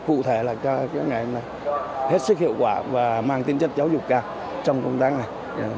cụ thể là hết sức hiệu quả và mang tính chất giáo dục cao trong công tác này